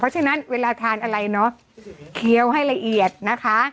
เพราะฉะนั้นเวลาทานอะไรเนอะเคี้ยวให้ละเอียดนะคะ